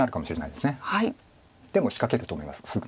でも仕掛けると思いますすぐ。